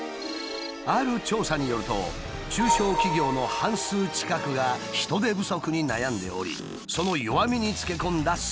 ある調査によると中小企業の半数近くが人手不足に悩んでおりその弱みにつけ込んだ詐欺。